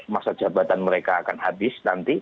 masa jabatan mereka akan habis nanti